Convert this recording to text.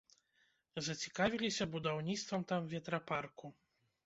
Зацікавіліся будаўніцтвам там ветрапарку.